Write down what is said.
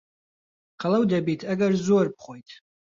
قەڵەو دەبیت ئەگەر زۆر بخۆیت.